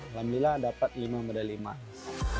alhamdulillah dapat lima medali emas